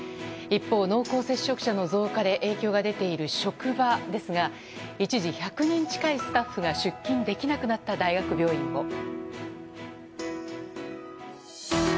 一方、濃厚接触者の増加で影響が出ている職場ですが一時１００人近いスタッフが出勤できなくなった大学病院も。